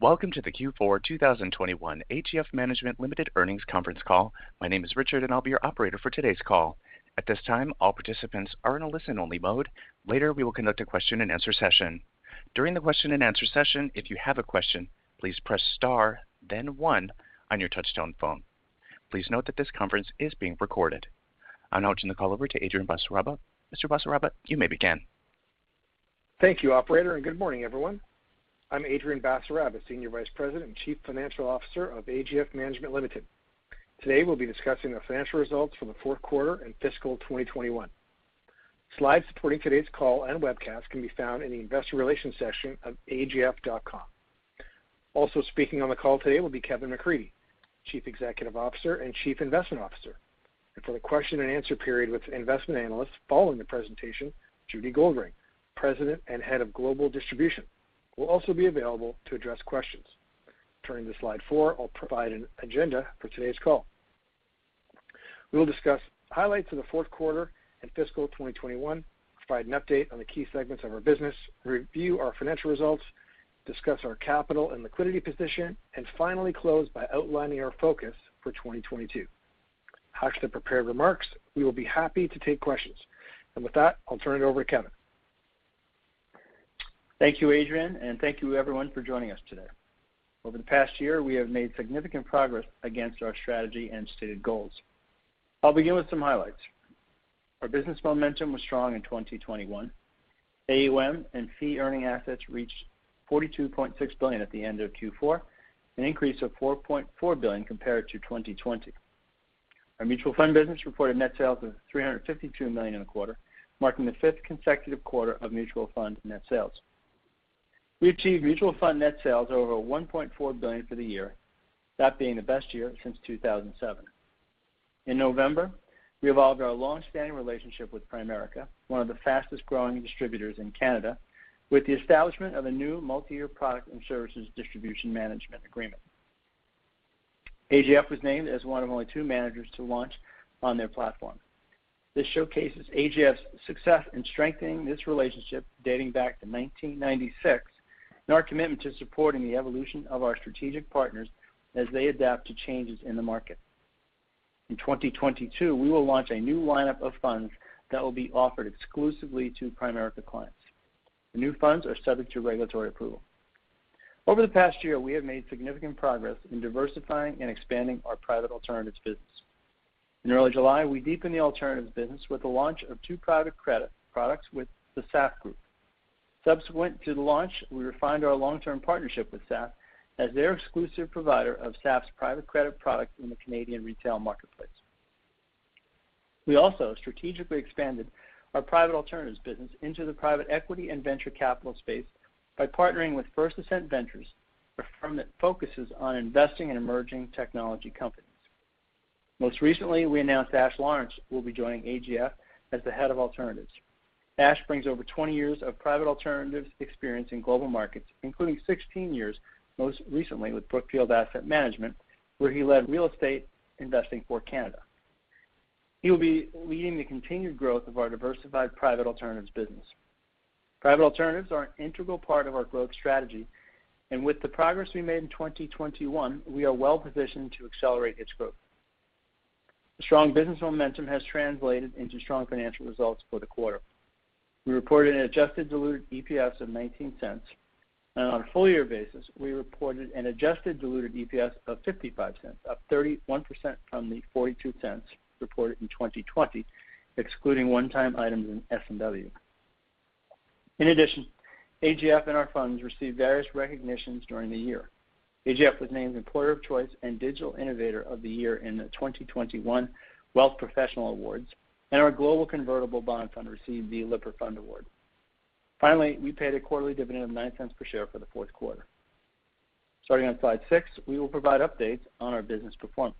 Welcome to the Q4 2021 AGF Management Limited Earnings Conference Call. My name is Richard, and I'll be your operator for today's call. At this time, all participants are in a listen-only mode. Later, we will conduct a question-and-answer session. During the question-and-answer session, if you have a question, please press star then one on your touchtone phone. Please note that this conference is being recorded. I'll now turn the call over to Adrian Basaraba. Mr. Basaraba, you may begin. Thank you, operator, and good morning, everyone. I'm Adrian Basaraba, Senior Vice President and Chief Financial Officer of AGF Management Limited. Today, we'll be discussing the financial results for the Q4 and fiscal 2021. Slides supporting today's call and webcast can be found in the investor relations section of agf.com. Also speaking on the call today will be Kevin McCreadie, Chief Executive Officer and Chief Investment Officer. For the question and answer period with investment analysts following the presentation, Judy Goldring, President and Head of Global Distribution, will also be available to address questions. Turning to slide four, I'll provide an agenda for today's call. We will discuss highlights of the Q4 and fiscal 2021, provide an update on the key segments of our business, review our financial results, discuss our capital and liquidity position, and finally close by outlining our focus for 2022. After the prepared remarks, we will be happy to take questions. With that, I'll turn it over to Kevin. Thank you, Adrian, and thank you everyone for joining us today. Over the past year, we have made significant progress against our strategy and stated goals. I'll begin with some highlights. Our business momentum was strong in 2021. AUM and fee earning assets reached 42.6 billion at the end of Q4, an increase of 4.4 billion compared to 2020. Our mutual fund business reported net sales of 352 million in the quarter, marking the fifth consecutive quarter of mutual fund net sales. We achieved mutual fund net sales over 1.4 billion for the year, that being the best year since 2007. In November, we evolved our long-standing relationship with Primerica, one of the fastest-growing distributors in Canada, with the establishment of a new multi-year product and services distribution management agreement. AGF was named as one of only two managers to launch on their platform. This showcases AGF's success in strengthening this relationship dating back to 1996, and our commitment to supporting the evolution of our strategic partners as they adapt to changes in the market. In 2022, we will launch a new lineup of funds that will be offered exclusively to Primerica clients. The new funds are subject to regulatory approval. Over the past year, we have made significant progress in diversifying and expanding our private alternatives business. In early July, we deepened the alternatives business with the launch of two private credit products with the SAF Group. Subsequent to the launch, we refined our long-term partnership with SAF as their exclusive provider of SAF's private credit product in the Canadian retail marketplace. We also strategically expanded our private alternatives business into the private equity and venture capital space by partnering with First Ascent Ventures, a firm that focuses on investing in emerging technology companies. Most recently, we announced Ash Lawrence will be joining AGF as the Head of Alternatives. Ash brings over 20 years of private alternatives experience in global markets, including 16 years, most recently with Brookfield Asset Management, where he led real estate investing for Canada. He will be leading the continued growth of our diversified private alternatives business. Private alternatives are an integral part of our growth strategy, and with the progress we made in 2021, we are well-positioned to accelerate its growth. The strong business momentum has translated into strong financial results for the quarter. We reported an adjusted diluted EPS of 0.19. On a full year basis, we reported an adjusted diluted EPS of 0.55, up 31% from the 0.42 reported in 2020, excluding one-time items in S&W. In addition, AGF and our funds received various recognitions during the year. AGF was named Employer of Choice and Digital Innovator of the Year in the 2021 Wealth Professional Awards, and our Global Convertible Bond Fund received the Lipper Fund Award. Finally, we paid a quarterly dividend of 0.09 per share for the Q4. Starting on slide six, we will provide updates on our business performance.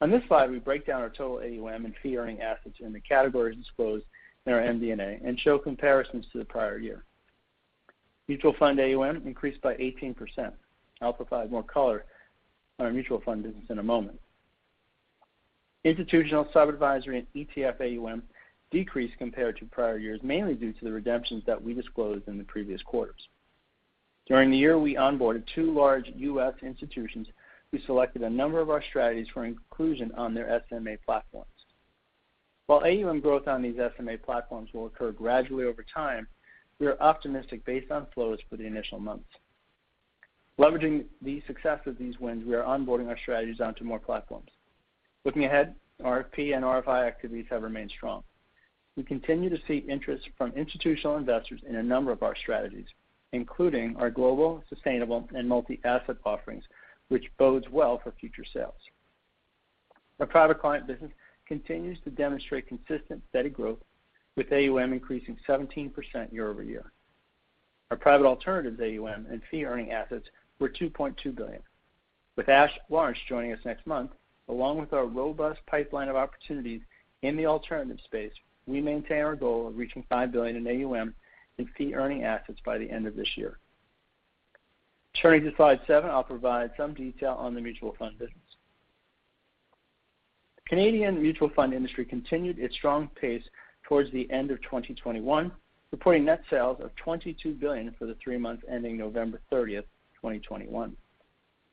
On this slide, we break down our total AUM and fee earning assets in the categories disclosed in our MD&A and show comparisons to the prior year. Mutual fund AUM increased by 18%. I'll provide more color on our mutual fund business in a moment. Institutional sub-advisory and ETF AUM decreased compared to prior years, mainly due to the redemptions that we disclosed in the previous quarters. During the year, we onboarded two large US institutions who selected a number of our strategies for inclusion on their SMA platforms. While AUM growth on these SMA platforms will occur gradually over time, we are optimistic based on flows for the initial months. Leveraging the success of these wins, we are onboarding our strategies onto more platforms. Looking ahead, RFP and RFI activities have remained strong. We continue to see interest from institutional investors in a number of our strategies, including our global, sustainable, and multi-asset offerings, which bodes well for future sales. Our private client business continues to demonstrate consistent steady growth, with AUM increasing 17% year-over-year. Our private alternatives AUM and fee earning assets were 2.2 billion. With Ash Lawrence joining us next month, along with our robust pipeline of opportunities in the alternative space, we maintain our goal of reaching 5 billion in AUM and fee earning assets by the end of this year. Turning to slide seven, I'll provide some detail on the mutual fund business. The Canadian mutual fund industry continued its strong pace towards the end of 2021, reporting net sales of 22 billion for the three months ending November 30, 2021.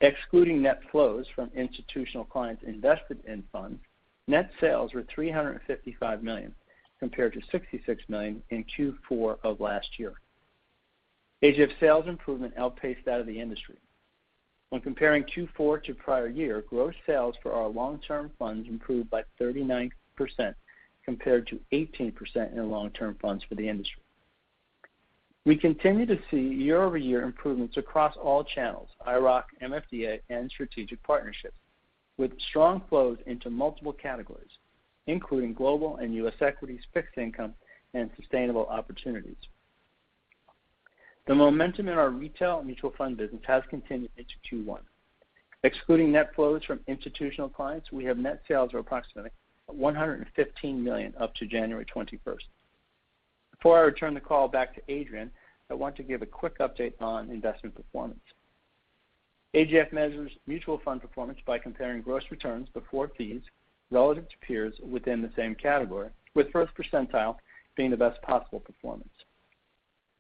Excluding net flows from institutional clients invested in funds, net sales were 355 million, compared to 66 million in Q4 of last year. AGF sales improvement outpaced that of the industry. When comparing Q4 to prior year, gross sales for our long-term funds improved by 39% compared to 18% in long-term funds for the industry. We continue to see year-over-year improvements across all channels, IIROC, MFDA, and strategic partnerships, with strong flows into multiple categories, including global and US equities, fixed income, and sustainable opportunities. The momentum in our retail mutual fund business has continued into Q1. Excluding net flows from institutional clients, we have net sales of approximately 115 million up to January twenty-first. Before I return the call back to Adrian, I want to give a quick update on investment performance. AGF measures mutual fund performance by comparing gross returns before fees relative to peers within the same category, with first percentile being the best possible performance.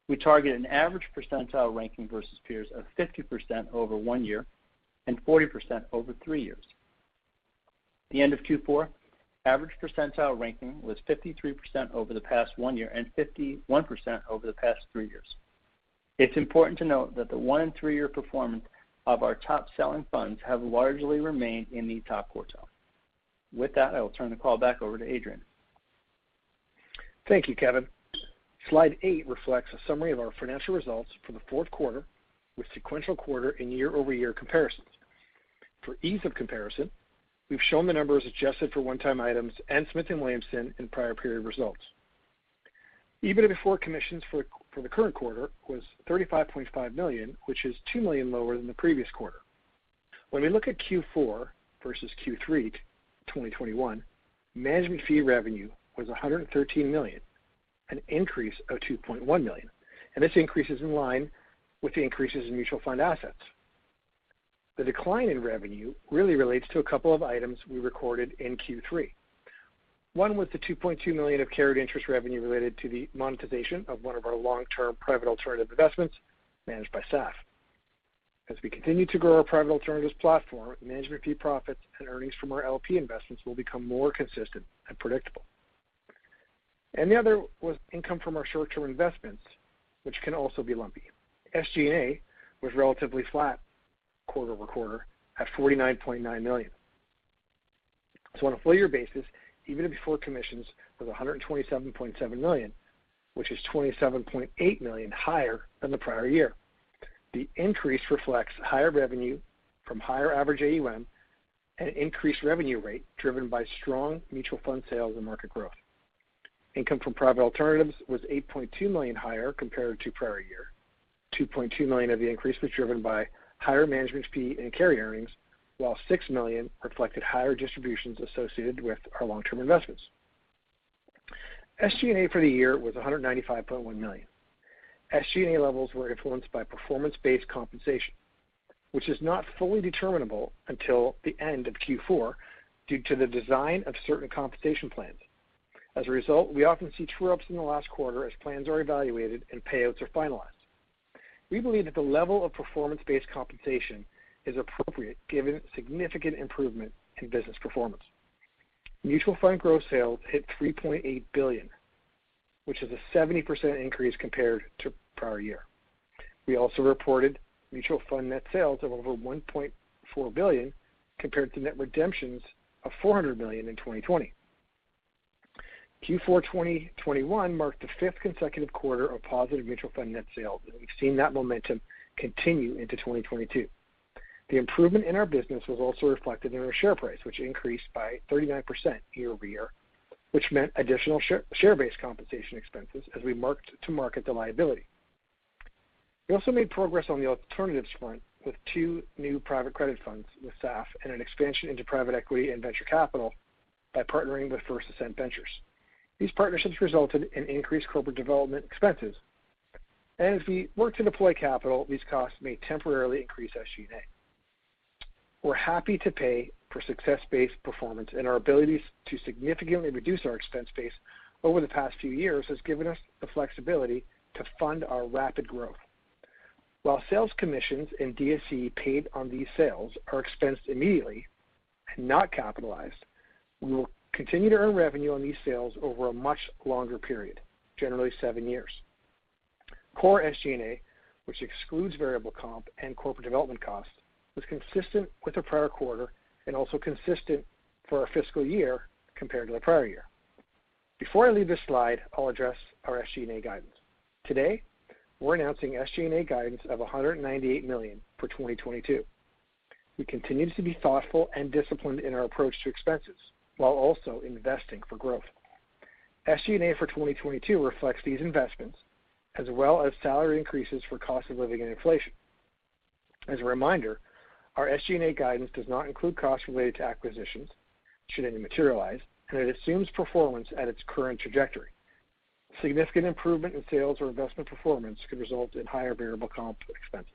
We target an average percentile ranking versus peers of 50% over one year and 40% over three years. At the end of Q4, average percentile ranking was 53% over the past one year and 51% over the past three years. It's important to note that the one and three-year performance of our top selling funds have largely remained in the top quartile. With that, I will turn the call back over to Adrian. Thank you, Kevin. Slide eight reflects a summary of our financial results for the Q4 with sequential quarter and year-over-year comparisons. For ease of comparison, we've shown the numbers adjusted for one-time items and Smith & Williamson in prior period results. EBITDA before commissions for the current quarter was 35.5 million, which is 2 million lower than the previous quarter. When we look at Q4 versus Q3 2021, management fee revenue was 113 million, an increase of 2.1 million, and this increase is in line with the increases in mutual fund assets. The decline in revenue really relates to a couple of items we recorded in Q3. One was the 2.2 million of carried interest revenue related to the monetization of one of our long-term private alternative investments managed by SAF. As we continue to grow our private alternatives platform, management fee profits and earnings from our LP investments will become more consistent and predictable. The other was income from our short-term investments, which can also be lumpy. SG&A was relatively flat quarter-over-quarter at 49.9 million. On a full-year basis, EBITDA before commissions was 127.7 million, which is 27.8 million higher than the prior year. The increase reflects higher revenue from higher average AUM and increased revenue rate driven by strong mutual fund sales and market growth. Income from private alternatives was 8.2 million higher compared to prior year. 2.2 million of the increase was driven by higher management fee and carry earnings, while 6 million reflected higher distributions associated with our long-term investments. SG&A for the year was 195.1 million. SG&A levels were influenced by performance-based compensation, which is not fully determinable until the end of Q4 due to the design of certain compensation plans. As a result, we often see true-ups in the last quarter as plans are evaluated and payouts are finalized. We believe that the level of performance-based compensation is appropriate given significant improvement in business performance. Mutual fund growth sales hit 3.8 billion, which is a 70% increase compared to prior year. We also reported mutual fund net sales of over 1.4 billion compared to net redemptions of 400 million in 2020. Q4 2021 marked the fifth consecutive quarter of positive mutual fund net sales, and we've seen that momentum continue into 2022. The improvement in our business was also reflected in our share price, which increased by 39% year-over-year, which meant additional share-based compensation expenses as we marked to market the liability. We also made progress on the alternatives front with two new private credit funds with SAF and an expansion into private equity and venture capital by partnering with First Ascent Ventures. These partnerships resulted in increased corporate development expenses. As we work to deploy capital, these costs may temporarily increase SG&A. We're happy to pay for success-based performance, and our ability to significantly reduce our expense base over the past few years has given us the flexibility to fund our rapid growth. While sales commissions and DSC paid on these sales are expensed immediately and not capitalized, we will continue to earn revenue on these sales over a much longer period, generally seven years. Core SG&A, which excludes variable comp and corporate development costs, was consistent with the prior quarter and also consistent for our fiscal year compared to the prior year. Before I leave this slide, I'll address our SG&A guidance. Today, we're announcing SG&A guidance of 198 million for 2022. We continue to be thoughtful and disciplined in our approach to expenses while also investing for growth. SG&A for 2022 reflects these investments as well as salary increases for cost of living and inflation. As a reminder, our SG&A guidance does not include costs related to acquisitions should any materialize, and it assumes performance at its current trajectory. Significant improvement in sales or investment performance could result in higher variable comp expenses.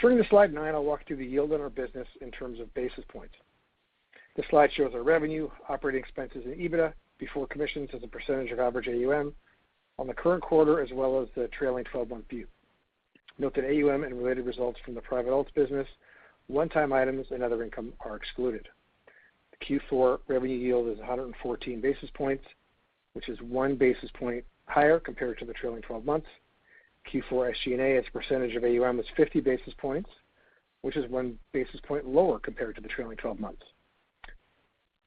Turning to slide nine, I'll walk through the yield on our business in terms of basis points. This slide shows our revenue, operating expenses, and EBITDA before commissions as a percentage of average AUM on the current quarter, as well as the trailing twelve-month view. Note that AUM and related results from the private alts business, one-time items and other income are excluded. The Q4 revenue yield is 114 basis points, which is one basis point higher compared to the trailing twelve months. Q4 SG&A as a percentage of AUM was 50 basis points, which is one basis point lower compared to the trailing twelve months.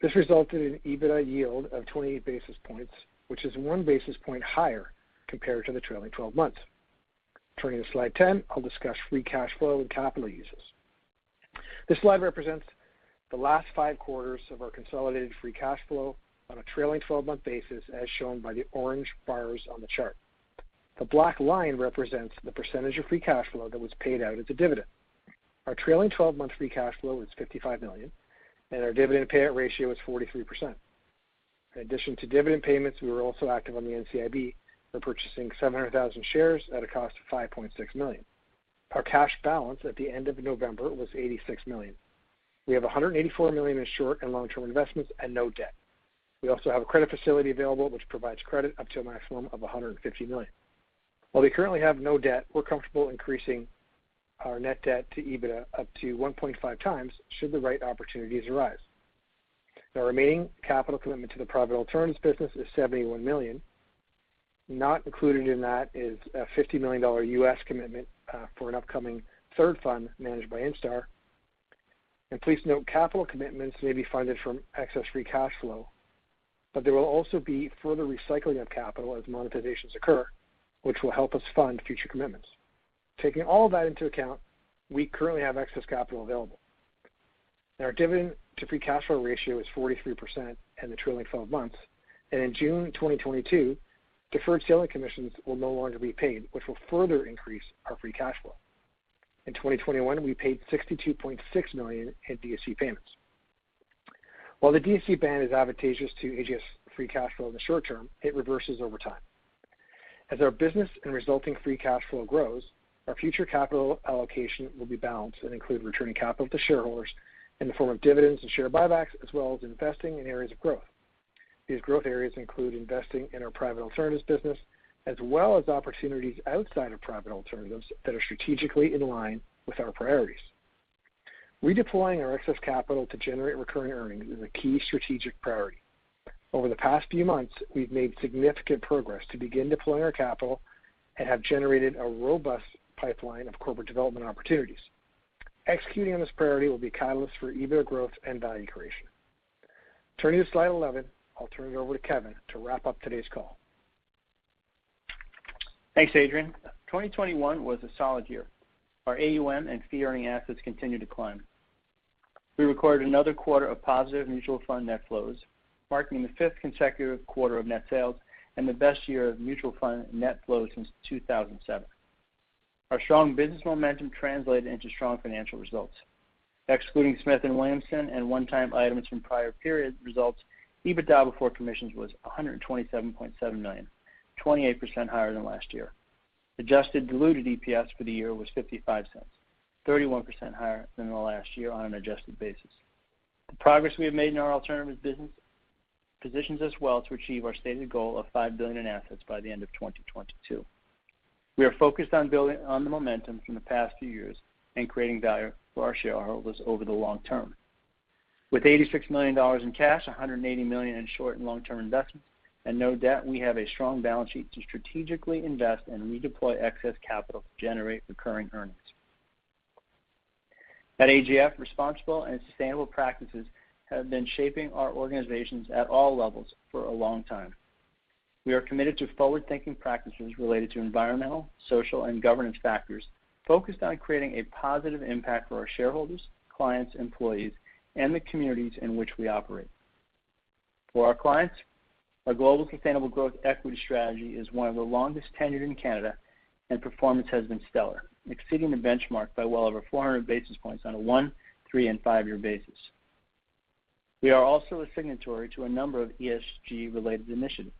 This resulted in EBITDA yield of 20 basis points, which is one basis point higher compared to the trailing twelve months. Turning to slide 10, I'll discuss free cash flow and capital uses. This slide represents the last Q5 of our consolidated free cash flow on a trailing twelve-month basis, as shown by the orange bars on the chart. The black line represents the percentage of free cash flow that was paid out as a dividend. Our trailing twelve-month free cash flow is 55 million, and our dividend payout ratio is 43%. In addition to dividend payments, we were also active on the NCIB, repurchasing 700,000 shares at a cost of 5.6 million. Our cash balance at the end of November was 86 million. We have 184 million in short and long-term investments and no debt. We also have a credit facility available, which provides credit up to a maximum of 150 million. While we currently have no debt, we're comfortable increasing our net debt to EBITDA up to 1.5x should the right opportunities arise. The remaining capital commitment to the private alternatives business is 71 million. Not included in that is a $50 million US commitment for an upcoming third fund managed by Instar. Please note, capital commitments may be funded from excess free cash flow, but there will also be further recycling of capital as monetization occur, which will help us fund future commitments. Taking all of that into account, we currently have excess capital available, and our dividend to free cash flow ratio is 43% in the trailing twelve months. In June 2022, deferred sales commissions will no longer be paid, which will further increase our free cash flow. In 2021, we paid 62.6 million in DSC payments. While the DSC ban is advantageous to AGF's free cash flow in the short term, it reverses over time. As our business and resulting free cash flow grows, our future capital allocation will be balanced and include returning capital to shareholders in the form of dividends and share buybacks, as well as investing in areas of growth. These growth areas include investing in our private alternatives business, as well as opportunities outside of private alternatives that are strategically in line with our priorities. Redeploying our excess capital to generate recurring earnings is a key strategic priority. Over the past few months, we've made significant progress to begin deploying our capital and have generated a robust pipeline of corporate development opportunities. Executing on this priority will be catalyst for EBITDA growth and value creation. Turning to slide 11, I'll turn it over to Kevin to wrap up today's call. Thanks, Adrian. 2021 was a solid year. Our AUM and fee-earning assets continued to climb. We recorded another quarter of positive mutual fund net flows, marking the fifth consecutive quarter of net sales and the best year of mutual fund net flow since 2007. Our strong business momentum translated into strong financial results. Excluding Smith & Williamson and one-time items from prior period results, EBITDA before commissions was 127.7 million, 28% higher than last year. Adjusted diluted EPS for the year was 0.55, 31% higher than the last year on an adjusted basis. The progress we have made in our alternatives business positions us well to achieve our stated goal of 5 billion in assets by the end of 2022. We are focused on building on the momentum from the past few years and creating value for our shareholders over the long term. With 86 million dollars in cash, 180 million in short- and long-term investments, and no debt, we have a strong balance sheet to strategically invest and redeploy excess capital to generate recurring earnings. At AGF, responsible and sustainable practices have been shaping our organizations at all levels for a long time. We are committed to forward-thinking practices related to environmental, social, and governance factors focused on creating a positive impact for our shareholders, clients, employees, and the communities in which we operate. For our clients, our global sustainable growth equity strategy is one of the longest tenured in Canada, and performance has been stellar, exceeding the benchmark by well over 400 basis points on a one, three, and five-year basis. We are also a signatory to a number of ESG related initiatives.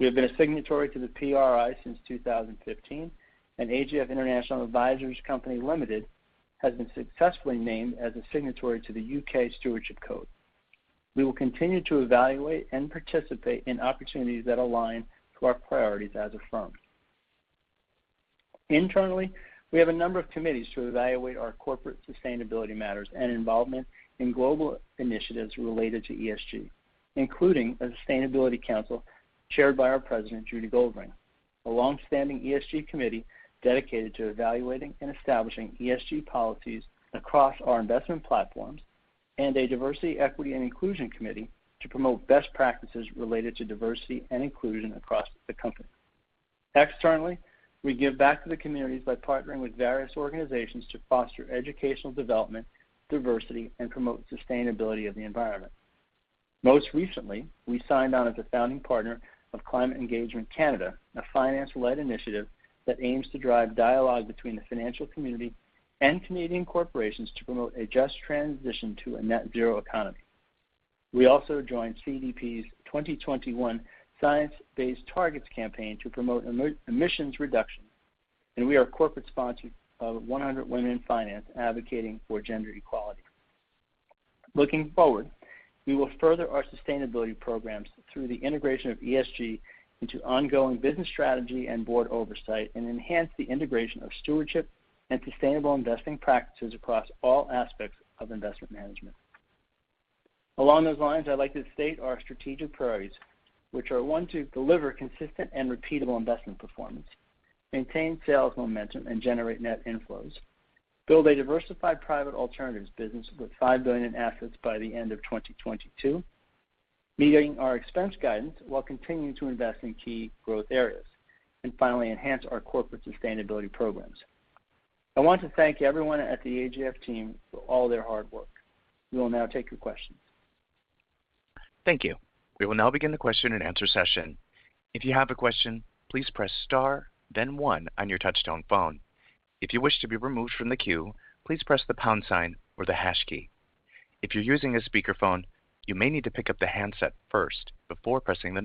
We have been a signatory to the PRI since 2015, and AGF International Advisors Company Limited has been successfully named as a signatory to the UK Stewardship Code. We will continue to evaluate and participate in opportunities that align to our priorities as a firm. Internally, we have a number of committees to evaluate our corporate sustainability matters and involvement in global initiatives related to ESG, including a sustainability council chaired by our President, Judy Goldring, a long-standing ESG committee dedicated to evaluating and establishing ESG policies across our investment platforms, and a diversity, equity, and inclusion committee to promote best practices related to diversity and inclusion across the company. Externally, we give back to the communities by partnering with various organizations to foster educational development, diversity, and promote sustainability of the environment. Most recently, we signed on as a founding partner of Climate Engagement Canada, a finance-led initiative that aims to drive dialogue between the financial community and Canadian corporations to promote a just transition to a net zero economy. We also joined CDP's 2021 science-based targets campaign to promote emissions reduction, and we are a corporate sponsor of 100 Women in Finance advocating for gender equality. Looking forward, we will further our sustainability programs through the integration of ESG into ongoing business strategy and board oversight, and enhance the integration of stewardship and sustainable investing practices across all aspects of investment management. I'd like to state our strategic priorities, which are, one, to deliver consistent and repeatable investment performance, maintain sales momentum, and generate net inflows, build a diversified private alternatives business with 5 billion in assets by the end of 2022, meeting our expense guidance while continuing to invest in key growth areas, and finally, enhance our corporate sustainability programs. I want to thank everyone at the AGF team for all their hard work. We will now take your questions. Thank you. We will now begin the question-and-answer session. Our 1st question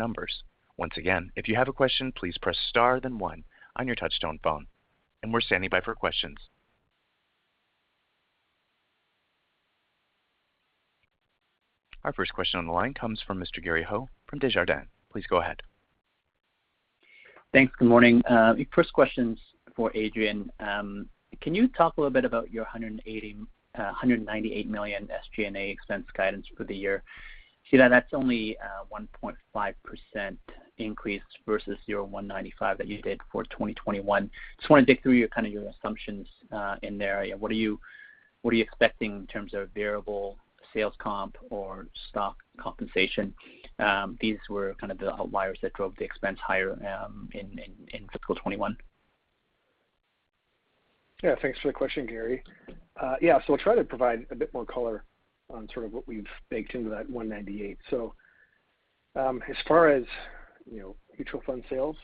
on the line comes from Mr. Gary Ho from Desjardins. Please go ahead. Thanks. Good morning. The 1st question's for Adrian. Can you talk a little bit about your 198 million SG&A expense guidance for the year? See that that's only 1.5% increase versus your 195 million that you did for 2021. Just wanna dig through your kind of assumptions in there. What are you expecting in terms of variable sales comp or stock compensation? These were kind of the outliers that drove the expense higher in fiscal 2021. Thanks for the question, Gary. I'll try to provide a bit more color on sort of what we've baked into that 198. As far as, you know, mutual fund sales,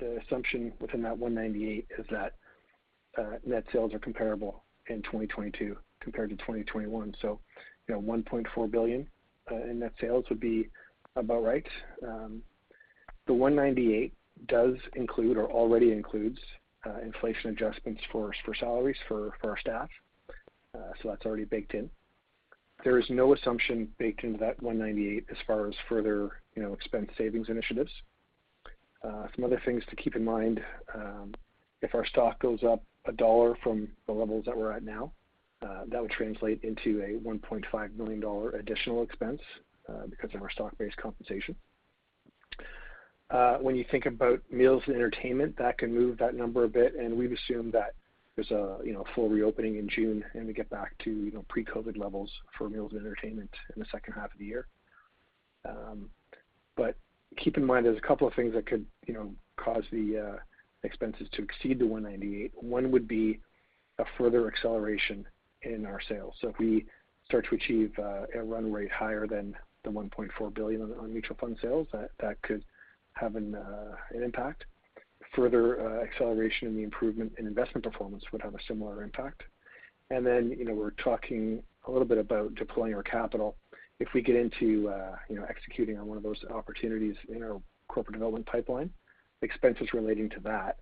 the assumption within that 198 is that net sales are comparable in 2022 compared to 2021. You know, 1.4 billion in net sales would be about right. The 198 does include or already includes inflation adjustments for salaries for our staff. That's already baked in. There is no assumption baked into that 198 as far as further, you know, expense savings initiatives. Some other things to keep in mind, if our stock goes up CAD 1 from the levels that we're at now, that would translate into a 1.5 million dollar additional expense, because of our stock-based compensation. When you think about meals and entertainment, that can move that number a bit, and we've assumed that there's a, you know, full reopening in June, and we get back to, you know, pre-COVID levels for meals and entertainment in the second half of the year. Keep in mind there's a couple of things that could, you know, cause the expenses to exceed the 198. One would be a further acceleration in our sales. If we start to achieve a run rate higher than 1.4 billion on mutual fund sales, that could have an impact. Further, acceleration in the improvement in investment performance would have a similar impact. We're talking a little bit about deploying our capital. If we get into executing on one of those opportunities in our corporate development pipeline, expenses relating to that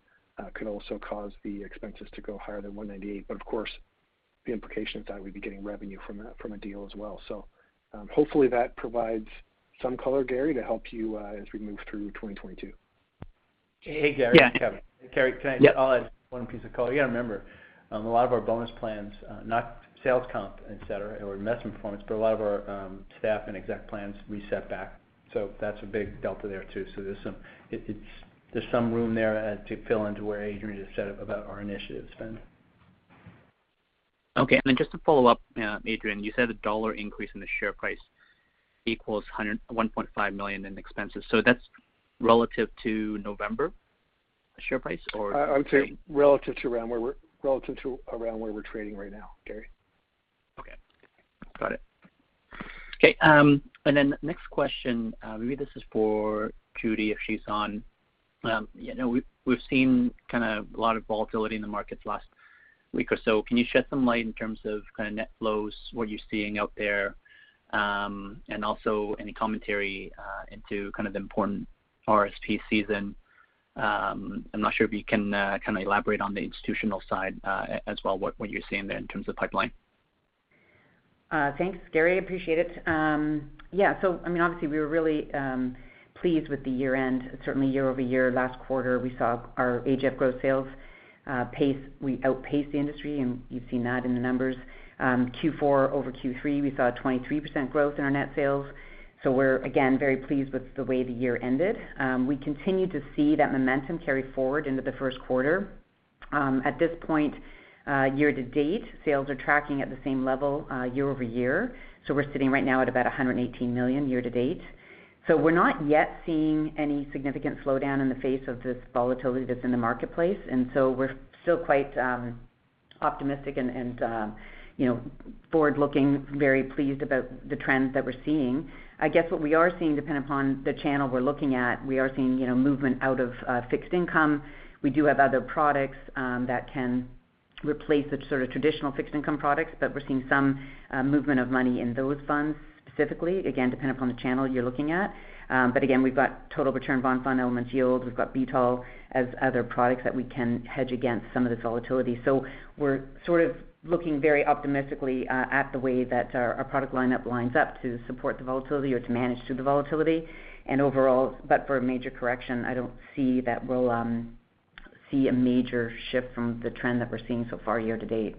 could also cause the expenses to go higher than 198. Of course, the implication of that, we'd be getting revenue from a deal as well. Hopefully that provides some color, Gary, to help you as we move through 2022. Yeah. Hey, Gary. Kevin. Gary, can I- Yep. I'll add one piece of color. You got a remember, a lot of our bonus plans, not sales comp, et cetera, or investment performance, but a lot of our, staff and exec plans we set back. That's a big delta there too. There's some room there, to fill into where Adrian just said about our initiatives then. Okay. Just to follow up, Adrian, you said a dollar increase in the share price equals 1.5 million in expenses. So that's relative to November share price or- I would say relative to around where we're trading right now, Gary. Okay. Got it. Okay, next question, maybe this is for Judy, if she's on. You know, we've seen kind of a lot of volatility in the markets last week or so. Can you shed some light in terms of kind of net flows, what you're seeing out there, and also any commentary into kind of the important RSP season? I'm not sure if you can kind of elaborate on the institutional side as well, what you're seeing there in terms of pipeline. Thanks, Gary. Appreciate it. I mean, obviously we were really pleased with the year-end. Certainly year-over-year, last quarter, we saw our AGF growth sales. We outpaced the industry, and you've seen that in the numbers. Q4 over Q3, we saw a 23% growth in our net sales. We're, again, very pleased with the way the year ended. We continue to see that momentum carry forward into the Q1. At this point, year-to-date, sales are tracking at the same level year-over-year. We're sitting right now at about 118 million year-to-date. We're not yet seeing any significant slowdown in the face of this volatility that's in the marketplace. We're still quite optimistic and you know forward-looking, very pleased about the trends that we're seeing. I guess what we are seeing depends upon the channel we're looking at. We are seeing you know movement out of fixed income. We do have other products that can replace the sort of traditional fixed income products, but we're seeing some movement of money in those funds specifically, again, depending upon the channel you're looking at. But again, we've got Total Return Bond Fund, Elements Yield, we've got BTAL as other products that we can hedge against some of this volatility. We're sort of looking very optimistically at the way that our product lineup lines up to support the volatility or to manage through the volatility. Overall, but for a major correction, I don't see that we'll see a major shift from the trend that we're seeing so far year to date.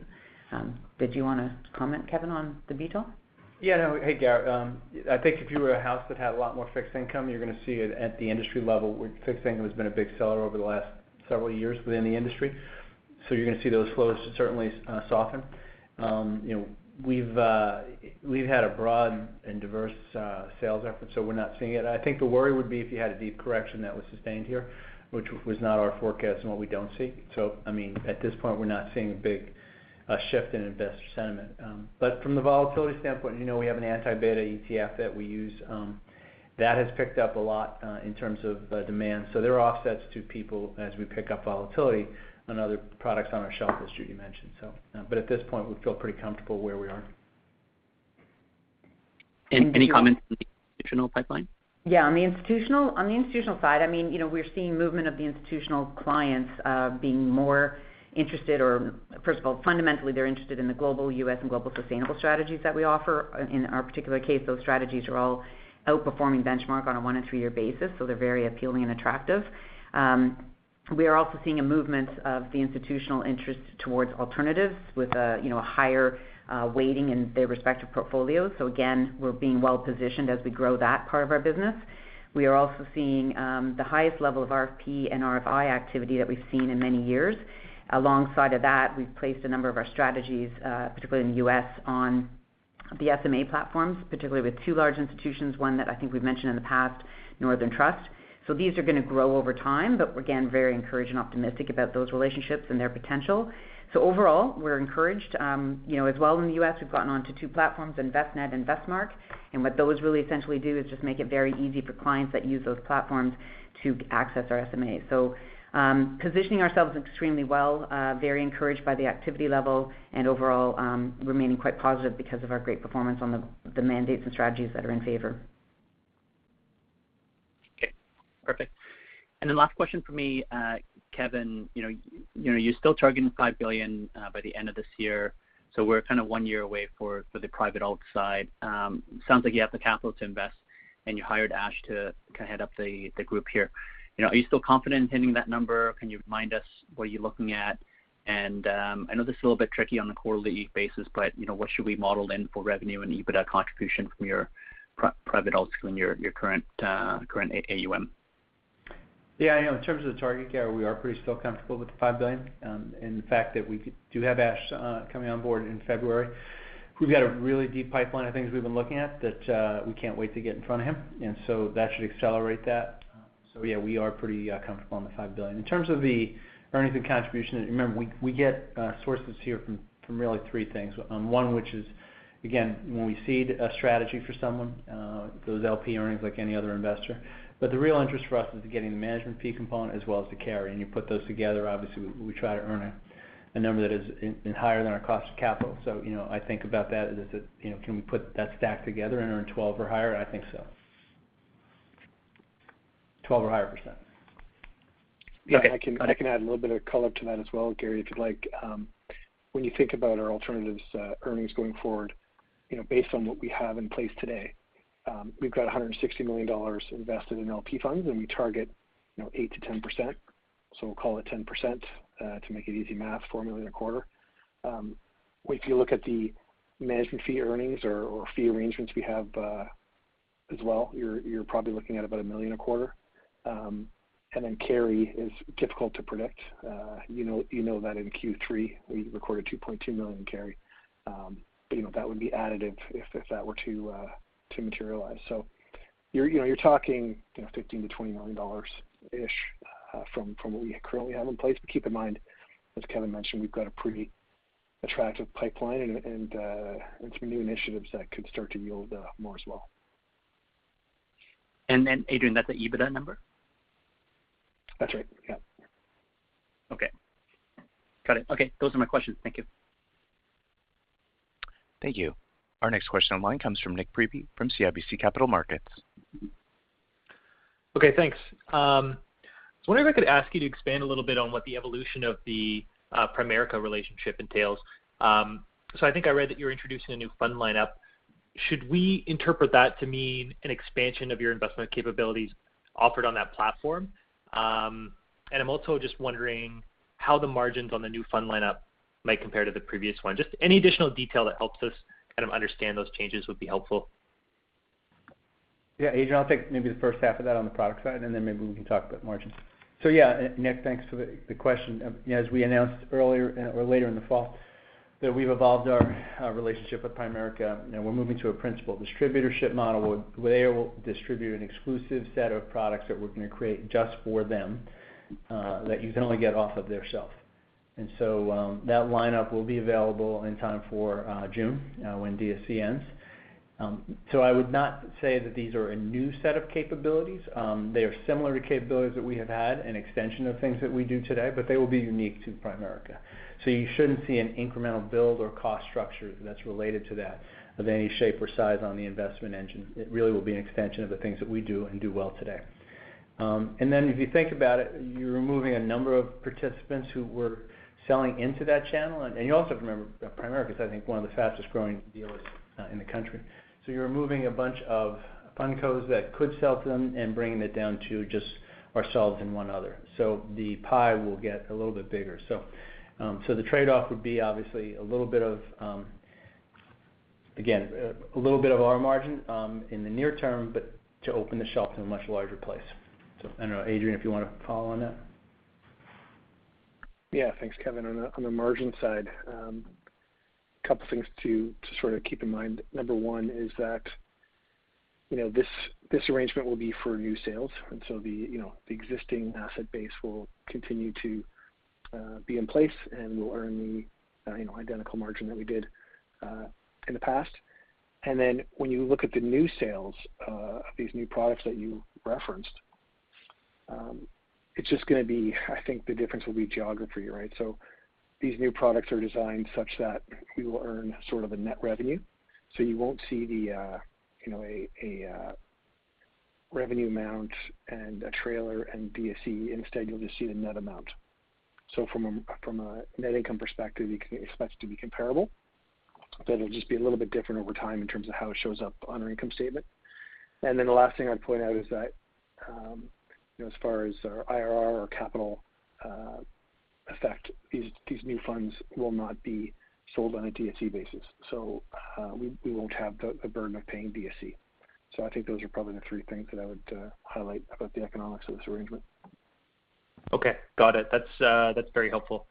Did you wanna comment, Kevin, on the BTAL? Yeah, no. Hey, Gary Ho. I think if you were a house that had a lot more fixed income, you're gonna see it at the industry level, where fixed income has been a big seller over the last several years within the industry. You're gonna see those flows certainly soften. You know, we've had a broad and diverse sales effort, so we're not seeing it. I think the worry would be if you had a deep correction that was sustained here, which was not our forecast and what we don't see. I mean, at this point, we're not seeing a big shift in investor sentiment. But from the volatility standpoint, you know, we have an anti-beta ETF that we use that has picked up a lot in terms of demand. There are offsets to people as we pick up volatility on other products on our shelf, as Judy mentioned. At this point, we feel pretty comfortable where we are. Any comments on the institutional pipeline? On the institutional side, I mean, you know, we're seeing movement of the institutional clients being more interested, or first of all, fundamentally, they're interested in the global, US, and global sustainable strategies that we offer. In our particular case, those strategies are all outperforming benchmark on a one- and three-year basis, so they're very appealing and attractive. We are also seeing a movement of the institutional interest towards alternatives with a, you know, a higher weighting in their respective portfolios. Again, we're being well positioned as we grow that part of our business. We are also seeing the highest level of RFP and RFI activity that we've seen in many years. Alongside that, we've placed a number of our strategies, particularly in the U.S., on the SMA platforms, particularly with two large institutions, one that I think we've mentioned in the past, Northern Trust. These are gonna grow over time, but we're again, very encouraged and optimistic about those relationships and their potential. Overall, we're encouraged. You know, as well in the US, we've gotten onto two platforms, Envestnet and Vestmark, and what those really essentially do is just make it very easy for clients that use those platforms to access our SMAs, positioning ourselves extremely well, very encouraged by the activity level and overall, remaining quite positive because of our great performance on the mandates and strategies that are in favor. Okay. Perfect. Last question from me. Kevin, you know, you're still targeting 5 billion by the end of this year, so we're kind of one year away for the private alt side. Sounds like you have the capital to invest, and you hired Ash to kind of head up the group here. You know, are you still confident in hitting that number? Can you remind us what you're looking at? I know this is a little bit tricky on a quarterly basis, but, you know, what should we model in for revenue and EBITDA contribution from your private alts in your current AUM? Yeah, I know. In terms of the target, Gary, we are pretty still comfortable with the 5 billion. And the fact that we do have Ash coming on board in February. We've got a really deep pipeline of things we've been looking at that we can't wait to get in front of him. That should accelerate that. So yeah, we are pretty comfortable on the 5 billion. In terms of the earnings and contribution, remember, we get sources here from really three things. One which is, again, when we seed a strategy for someone, those LP earnings, like any other investor. But the real interest for us is getting the management fee component as well as the carry. You put those together, obviously. We try to earn a number that is higher than our cost of capital. You know, I think about that. You know, can we put that stack together and earn 12 or higher? I think so. 12% or higher. Okay. Yeah, I can add a little bit of color to that as well, Gary, if you'd like. When you think about our alternatives earnings going forward, you know, based on what we have in place today, we've got 160 million dollars invested in LP funds, and we target, you know, 8%-10%. We'll call it 10% to make it easy math, 4 million a quarter. If you look at the management fee earnings or fee arrangements we have as well, you're probably looking at about 1 million a quarter. Carry is difficult to predict. You know that in Q3 we recorded 2.2 million in carry. You know, that would be additive if that were to materialize. You're, you know, you're talking, you know, 15 million-20 million dollars-ish from what we currently have in place. Keep in mind, as Kevin mentioned, we've got a pretty attractive pipeline and some new initiatives that could start to yield more as well. Adrian, that's the EBITDA number? That's right. Yeah. Okay. Got it. Okay, those are my questions. Thank you. Thank you. Our next question online comes from Nik Priebe from CIBC Capital Markets. Okay, thanks. I was wondering if I could ask you to expand a little bit on what the evolution of the Primerica relationship entails. I think I read that you're introducing a new fund lineup. Should we interpret that to mean an expansion of your investment capabilities offered on that platform? I'm also just wondering how the margins on the new fund lineup might compare to the previous one. Just any additional detail that helps us kind of understand those changes would be helpful. Adrian, I'll take maybe the first half of that on the product side, and then maybe we can talk about margins. Yeah, Nik, thanks for the question. You know, as we announced earlier or later in the fall, that we've evolved our relationship with Primerica, and we're moving to a principal distributorship model, where they will distribute an exclusive set of products that we're gonna create just for them, that you can only get off of their shelf. That lineup will be available in time for June, when DSC ends. I would not say that these are a new set of capabilities. They are similar to capabilities that we have had, an extension of things that we do today, but they will be unique to Primerica. You shouldn't see an incremental build or cost structure that's related to that of any shape or size on the investment engine. It really will be an extension of the things that we do and do well today. Then if you think about it, you're removing a number of participants who were selling into that channel. You also remember that Primerica is, I think, one of the fastest-growing dealers in the country. You're removing a bunch of fund codes that could sell to them and bringing it down to just ourselves and one other. The pie will get a little bit bigger. The trade-off would be obviously a little bit of, again, a little bit of our margin in the near term, but to open the shelf in a much larger place. I don't know, Adrian, if you want to follow on that. Yeah. Thanks, Kevin. On the margin side, a couple things to sort of keep in mind. Number one is that this arrangement will be for new sales, the existing asset base will continue to be in place, and we'll earn the identical margin that we did in the past. When you look at the new sales of these new products that you referenced, it's just gonna be. I think the difference will be geography, right? These new products are designed such that we will earn sort of a net revenue. You won't see a revenue amount and a trailer and DSC. Instead, you'll just see the net amount. From a net income perspective, you can expect it to be comparable. It'll just be a little bit different over time in terms of how it shows up on our income statement. The last thing I'd point out is that, as far as our IRR or capital effect, these new funds will not be sold on a DSC basis. We won't have the burden of paying DSC. I think those are probably the three things that I would highlight about the economics of this arrangement. Okay. Got it. That's very helpful.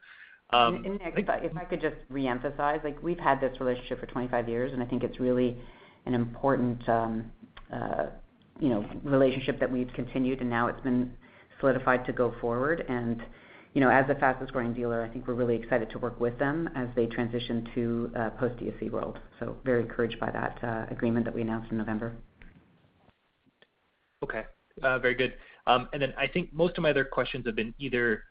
If I could just reemphasize, like, we've had this relationship for 25 years, and I think it's really an important, you know, relationship that we've continued, and now it's been solidified to go forward. You know, as the fastest growing dealer, I think we're really excited to work with them as they transition to a post-DSC world. Very encouraged by that, agreement that we announced in November. Okay. Very good. Then I think most of my other questions have been either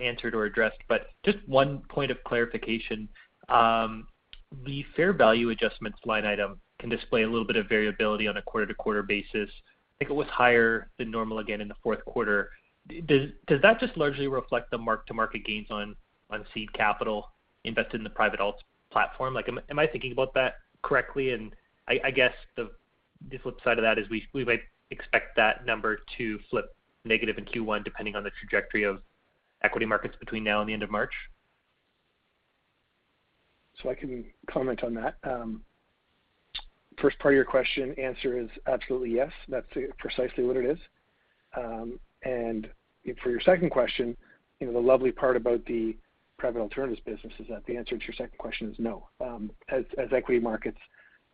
answered or addressed, but just one point of clarification. The fair value adjustments line item can display a little bit of variability on a quarter-to-quarter basis. I think it was higher than normal again in the Q4. Does that just largely reflect the mark-to-market gains on seed capital invested in the private alts platform? Like, am I thinking about that correctly? I guess the flip side of that is we might expect that number to flip negative in Q1, depending on the trajectory of equity markets between now and the end of March. I can comment on that. First part of your question, answer is absolutely yes. That's precisely what it is. For your 2nd question, you know, the lovely part about the private alternatives business is that the answer to your second question is no. Equity markets,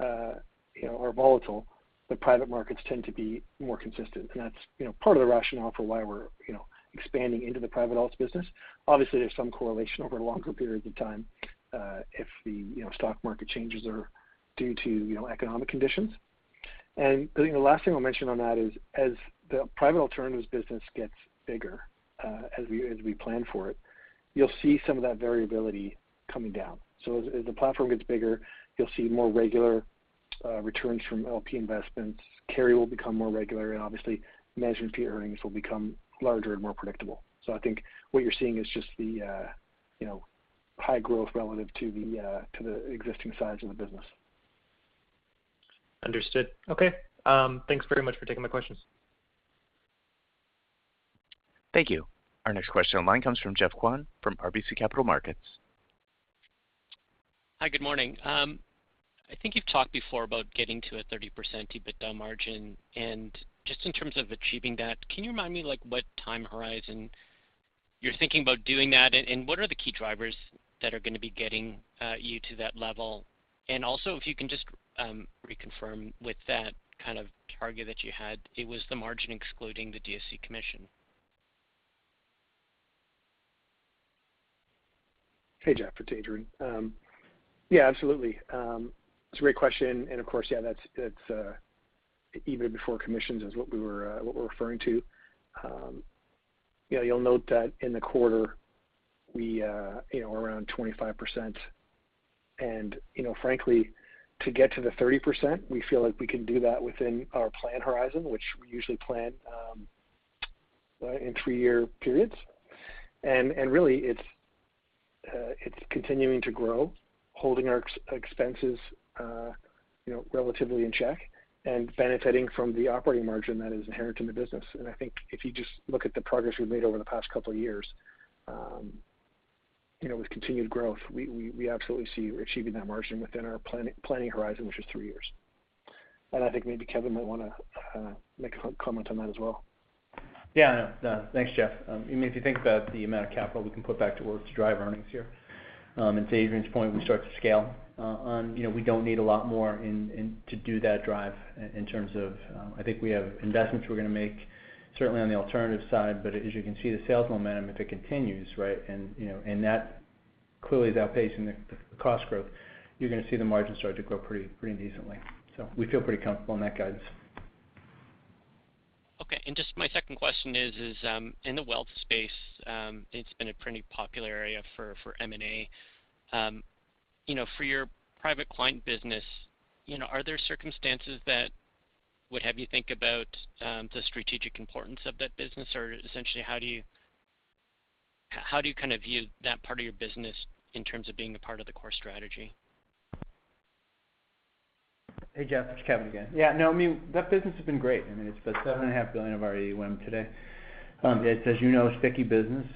you know, are volatile, the private markets tend to be more consistent. That's, you know, part of the rationale for why we're, you know, expanding into the private alts business. Obviously, there's some correlation over longer periods of time, if the stock market changes are due to economic conditions. I think the last thing I'll mention on that is, as the private alternatives business gets bigger, as we plan for it, you'll see some of that variability coming down. As the platform gets bigger, you'll see more regular returns from LP investments. Carry will become more regular, and obviously, management fee earnings will become larger and more predictable. I think what you're seeing is just the you know, high growth relative to the existing size of the business. Understood. Okay. Thanks very much for taking my questions. Thank you. Our next question online comes from Geoffrey Kwan from RBC Capital Markets. Hi. Good morning. I think you've talked before about getting to a 30% EBITDA margin. Just in terms of achieving that, can you remind me, like, what time horizon you're thinking about doing that, and what are the key drivers that are gonna be getting you to that level? If you can just reconfirm with that kind of target that you had, it was the margin excluding the DSC commission. Hey, Geoffrey. It's Adrian. Yeah, absolutely. It's a great question. Of course, that's EBITDA before commissions is what we're referring to. You know, you'll note that in the quarter, we around 25%. You know, frankly, to get to the 30%, we feel like we can do that within our plan horizon, which we usually plan in three-year periods. Really, it's continuing to grow, holding our expenses relatively in check and benefiting from the operating margin that is inherent in the business. I think if you just look at the progress we've made over the past couple of years, you know, with continued growth, we absolutely see achieving that margin within our planning horizon, which is three years. I think maybe Kevin might wanna make a comment on that as well. Yeah. No. Thanks, Geoff. I mean, if you think about the amount of capital we can put back to work to drive earnings here, and to Adrian's point, we start to scale. You know, we don't need a lot more in to do that drive in terms of. I think we have investments we're gonna make certainly on the alternative side. As you can see, the sales momentum, if it continues, right, and, you know, and that clearly is outpacing the cost growth. You're gonna see the margin start to grow pretty decently. We feel pretty comfortable in that guidance. Okay. Just my second question is, in the wealth space, it's been a pretty popular area for M&A. You know, for your private client business, you know, are there circumstances that would have you think about the strategic importance of that business? Or essentially, how do you kind of view that part of your business in terms of being a part of the core strategy? Hey, Geoff, it's Kevin again. Yeah, no, I mean, that business has been great. I mean, it's about 7.5 billion of our AUM today. It's, as you know, a sticky business.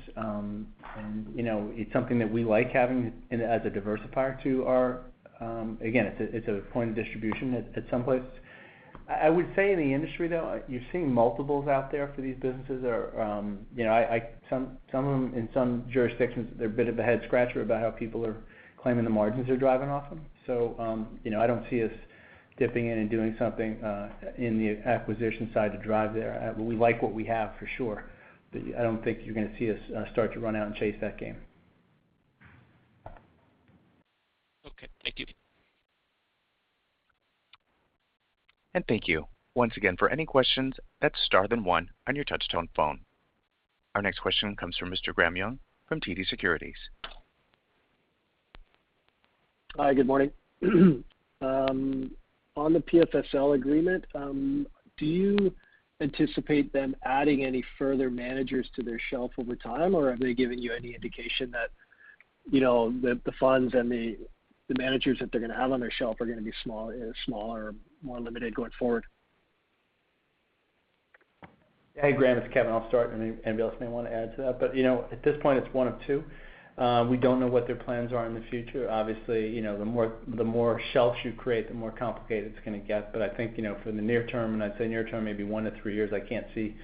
You know, it's something that we like having it as a diversifier to our. Again, it's a point of distribution at some place. I would say in the industry, though, you're seeing multiples out there for these businesses are, you know, some of them in some jurisdictions, they're a bit of a head scratcher about how people are claiming the margins they're deriving off them. You know, I don't see us dipping in and doing something in the acquisition side to drive there. We like what we have for sure, but I don't think you're gonna see us start to run out and chase that game. Okay, thank you. Thank you. Our next question comes from Mr. Graham Ryding from TD Securities. Hi, good morning. On the PFSL agreement, do you anticipate them adding any further managers to their shelf over time, or have they given you any indication that, you know, the funds and the managers that they're gonna have on their shelf are gonna be smaller, more limited going forward? Hey, Graham, it's Kevin. I'll start, and anybody else may wanna add to that. You know, at this point, it's one of two. We don't know what their plans are in the future. Obviously, you know, the more shelves you create, the more complicated it's gonna get. I think, you know, for the near term, and I'd say near term may be one to three years, I can't see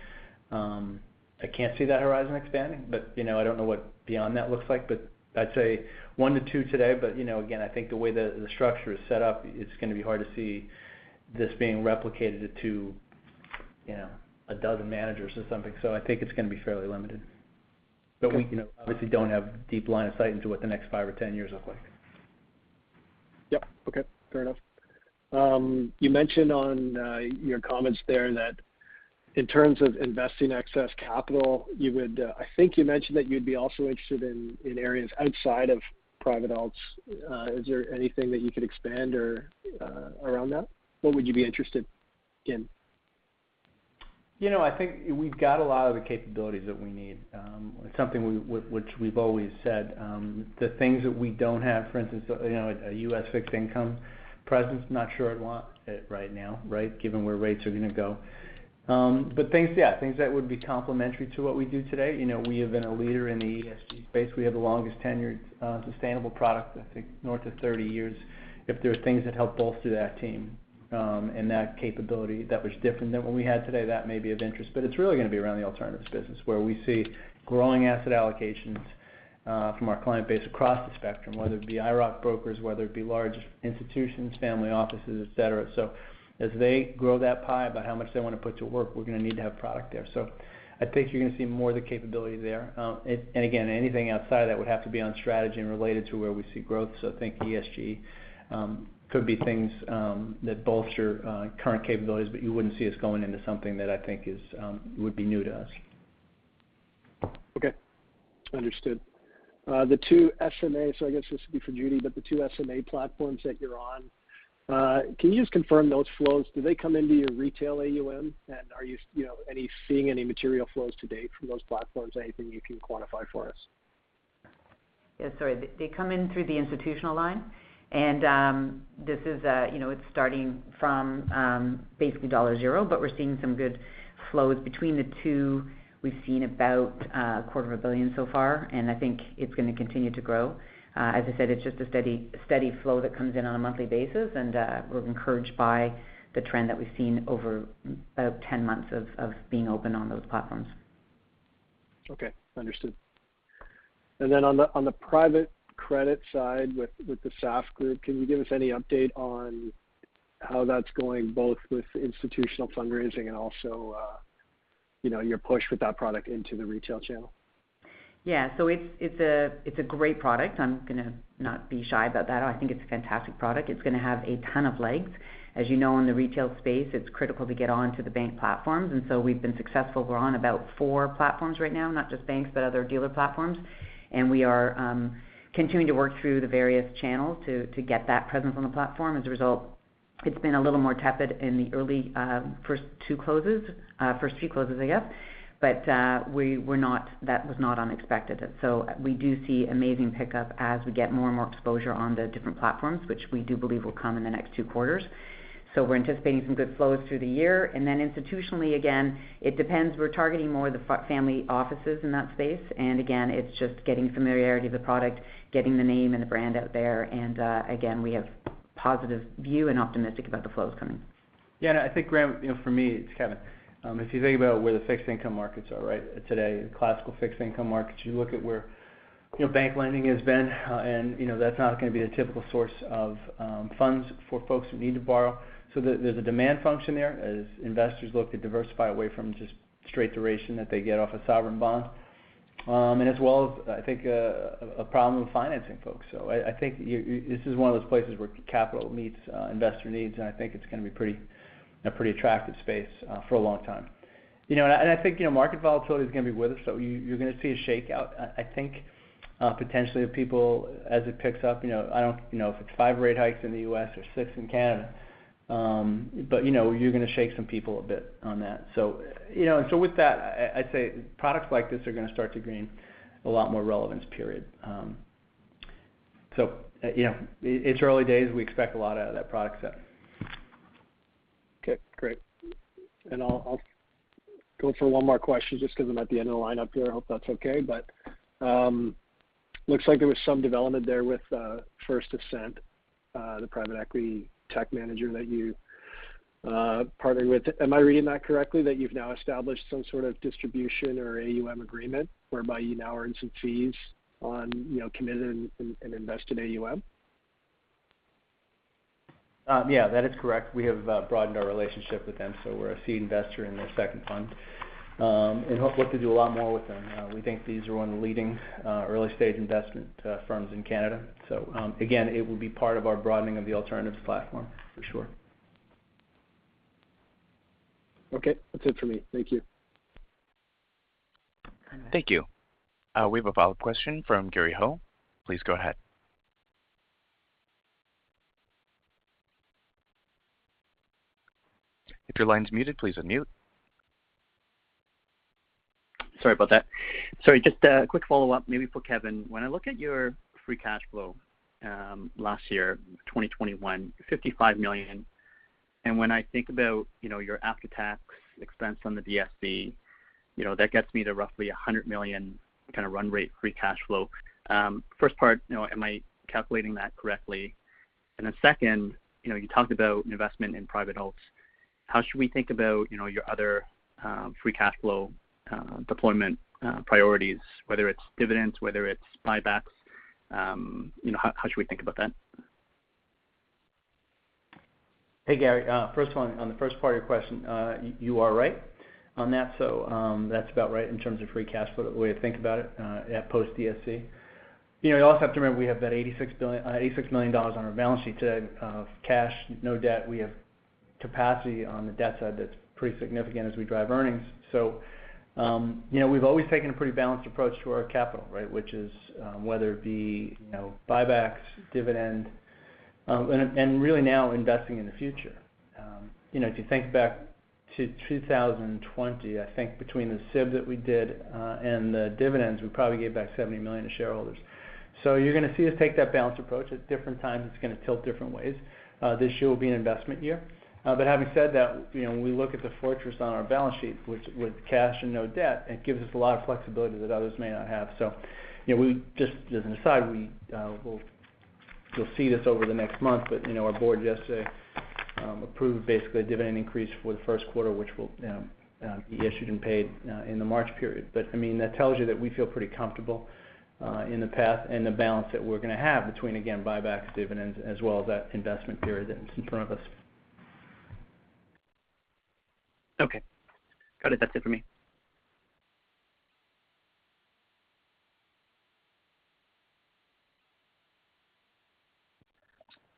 that horizon expanding. You know, I don't know what beyond that looks like, but I'd say one to two today. You know, again, I think the way the structure is set up, it's gonna be hard to see this being replicated to, you know, a dozen managers or something. I think it's gonna be fairly limited. Okay. We, you know, obviously don't have deep line of sight into what the next five or 10 years look like. Yep. Okay. Fair enough. You mentioned on your comments there that in terms of investing excess capital, you would, I think you mentioned that you'd be also interested in areas outside of private alts. Is there anything that you could expand or around that? What would you be interested in? You know, I think we've got a lot of the capabilities that we need. Which we've always said, the things that we don't have, for instance, you know, a US fixed income presence, not sure I'd want it right now, right? Given where rates are gonna go. But things, yeah, things that would be complementary to what we do today. You know, we have been a leader in the ESG space. We have the longest tenured sustainable product, I think, north of 30 years. If there are things that help bolster that team and that capability that was different than what we had today, that may be of interest. It's really gonna be around the alternatives business where we see growing asset allocations from our client base across the spectrum, whether it be IIROC brokers, whether it be large institutions, family offices, et cetera. As they grow that pie about how much they wanna put to work, we're gonna need to have product there. I think you're gonna see more of the capability there. Again, anything outside of that would have to be on strategy and related to where we see growth. Think ESG could be things that bolster current capabilities, but you wouldn't see us going into something that I think would be new to us. Okay. Understood. I guess this would be for Judy, but the two SMA platforms that you're on, can you just confirm those flows? Do they come into your retail AUM? And are you know, seeing any material flows to date from those platforms? Anything you can quantify for us? Yeah, sorry. They come in through the institutional line. This is, you know, starting from basically $0, but we're seeing some good flows between the two. We've seen about a quarter of a billion dollars so far, and I think it's gonna continue to grow. As I said, it's just a steady flow that comes in on a monthly basis, and we're encouraged by the trend that we've seen over about 10 months of being open on those platforms. Okay. Understood. On the private credit side with the SAF Group, can you give us any update on how that's going both with institutional fundraising and also, you know, your push with that product into the retail channel? Yeah. It's a great product. I'm gonna not be shy about that. I think it's a fantastic product. It's gonna have a ton of legs. As you know, in the retail space, it's critical to get onto the bank platforms, and so we've been successful. We're on about four platforms right now, not just banks, but other dealer platforms. We are continuing to work through the various channels to get that presence on the platform. As a result, it's been a little more tepid in the early first two closes, first three closes, I guess. That was not unexpected. We do see amazing pickup as we get more and more exposure on the different platforms, which we do believe will come in the next Q2. We're anticipating some good flows through the year. Then institutionally, again, it depends. We're targeting more the family offices in that space. Again, it's just getting familiarity of the product, getting the name and the brand out there. Again, we have positive view and optimistic about the flows coming. I think, Graham, you know, for me, it's Kevin, if you think about where the fixed income markets are, right? Today, classical fixed income markets, you look at where, you know, bank lending has been, and you know, that's not gonna be a typical source of funds for folks who need to borrow. There's a demand function there as investors look to diversify away from just straight duration that they get off a sovereign bond. As well as I think a problem with financing folks. I think this is one of those places where capital meets investor needs, and I think it's gonna be a pretty attractive space for a long time. You know, I think, you know, market volatility is gonna be with us, so you're gonna see a shakeout, I think, potentially of people as it picks up. You know, I don't know if it's 5 rate hikes in the US or six in Canada. You know, you're gonna shake some people a bit on that. With that, I'd say products like this are gonna start to gain a lot more relevance. Yeah, it's early days. We expect a lot out of that product set. Okay, great. I'll go for one more question just 'cause I'm at the end of the lineup here. I hope that's okay. Looks like there was some development there with First Ascent, the private equity tech manager that you partnered with. Am I reading that correctly, that you've now established some sort of distribution or AUM agreement whereby you now earn some fees on, you know, committed and invested AUM? Yeah, that is correct. We have broadened our relationship with them, so we're a seed investor in their second fund. Look to do a lot more with them. We think these are one of the leading early-stage investment firms in Canada. Again, it will be part of our broadening of the alternatives platform for sure. Okay. That's it for me. Thank you. Thank you. We have a follow-up question from Gary Ho. Please go ahead. If your line's muted, please unmute. Sorry about that. Sorry, just a quick follow-up maybe for Kevin. When I look at your free cash flow, last year, 2021, 55 million, and when I think about, you know, your after-tax expense on the DSC, you know, that gets me to roughly 100 million kind a run rate free cash flow. 1st part, you know, am I calculating that correctly? Then 2nd, you know, you talked about an investment in private alts. How should we think about, you know, your other free cash flow deployment priorities, whether it's dividends, whether it's buybacks? You know, how should we think about that? Hey, Gary. 1st one, on the 1st part of your question, you are right on that. That's about right in terms of free cash flow, the way to think about it, at post DSC. You know, you also have to remember we have that 86 million dollars on our balance sheet today of cash, no debt. We have capacity on the debt side that's pretty significant as we drive earnings. You know, we've always taken a pretty balanced approach to our capital, right? Which is, whether it be, you know, buybacks, dividend, and really now investing in the future. You know, if you think back to 2020, I think between the SIB that we did, and the dividends, we probably gave back 70 million to shareholders. You're gonna see us take that balanced approach. At different times, it's gonna tilt different ways. This year will be an investment year. Having said that, you know, when we look at the fortress on our balance sheet, which with cash and no debt, it gives us a lot of flexibility that others may not have. You know, we just as an aside, we'll, you'll see this over the next month, but, you know, our board yesterday approved basically a dividend increase for the Q1, which will be issued and paid in the March period. I mean, that tells you that we feel pretty comfortable in the path and the balance that we're gonna have between, again, buybacks, dividends, as well as that investment period that's in front of us. Okay. Got it. That's it for me.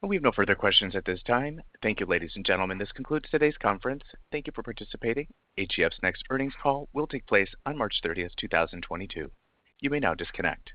We have no further questions at this time. Thank you, ladies and gentlemen. This concludes today's conference. Thank you for participating. AGF's next earnings call will take place on March 30th, 2022. You may now disconnect.